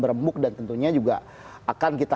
berembuk dan tentunya juga akan kita